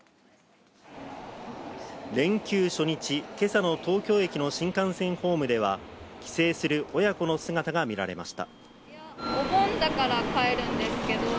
連休初日、今朝の東京駅の新幹線ホームでは帰省する親子の姿が見られました。